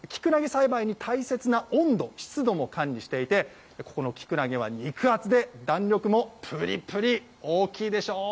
栽培に大切な温度、湿度も管理していて、ここのきくらげは肉厚で、弾力もぷりぷり、大きいでしょう？